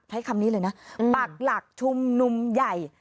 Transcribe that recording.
ใช้คำนี้เลยนะปักหลักชุมนุมใหญ่